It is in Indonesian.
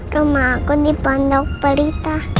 rumah aku di pandok perita